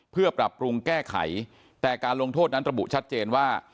เพื่อปรับปรุงแก้ไขแต่การลงโทษนั้นระบุชัดเจนว่า